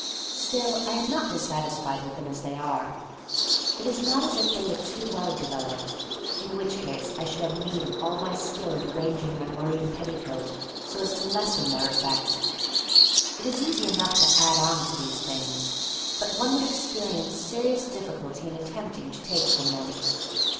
Still I am not dissatisfied with them as they are. It is not as if they were too well developed — in which case I should have need of all my skill in arranging my moreen petticoat so as to lessen their effect. It is easy enough to add on to these things, but one would experience serious difficulty in attempting to take from them.